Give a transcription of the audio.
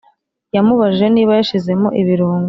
yamubajije niba yashizemo ibirungo